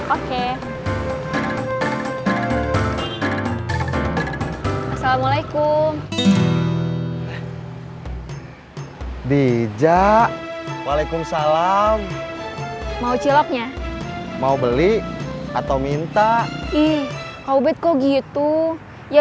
assalamualaikum di jakualaikum salam mau ciloknya mau beli atau minta ih kau bet kok gitu ya